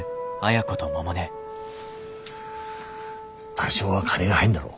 多少は金が入んだろう